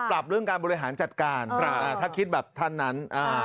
ปรับเรื่องการบริหารจัดการถ้าคิดแบบท่านนั้น